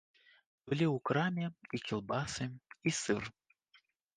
Былі ў краме і кілбасы, і сыр.